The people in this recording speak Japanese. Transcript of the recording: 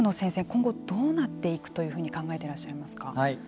今後どうなっていくというふうに考えていらっしゃいますか。